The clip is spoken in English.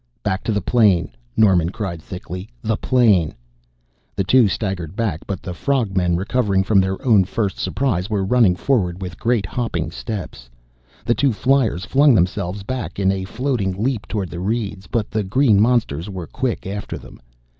_" "Back to the plane!" Norman cried thickly. "The plane " The two staggered back, but the frog men, recovering from their own first surprise, were running forward with great hopping steps! The two fliers flung themselves back in a floating leap toward the reeds, but the green monsters were quick after them.